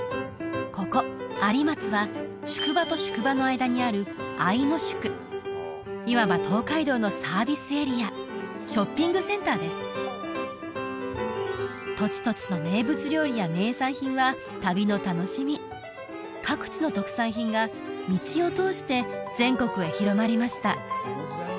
ここ有松は宿場と宿場の間にある間宿いわば東海道のサービスエリアショッピングセンターです土地土地の名物料理や名産品は旅の楽しみ各地の特産品が道を通して全国へ広まりました